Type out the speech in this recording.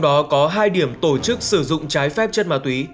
và có hai điểm tổ chức sử dụng trái phép chất ma túy